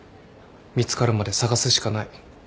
見つかるまで探すしかない。